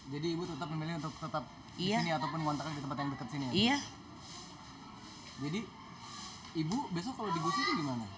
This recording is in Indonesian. jadi ibu besok kalau digusur gimana